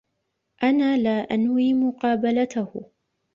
أنا لا أنوي مقابلته.